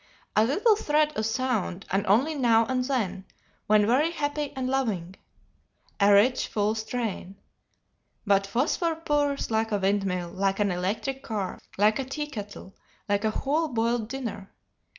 ] "A little thread of sound, and only now and then, when very happy and loving, a rich, full strain. But Phosphor purrs like a windmill, like an electric car, like a tea kettle, like a whole boiled dinner.